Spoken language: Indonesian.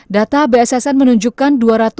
data bssn menunjukkan dua ratus tiga puluh dua